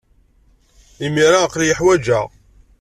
Imir-a, aql-iyi wejdeɣ.